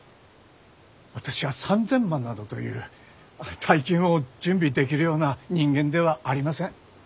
私は３，０００万などという大金を準備できるような人間ではありません。